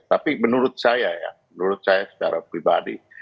tapi menurut saya ya menurut saya secara pribadi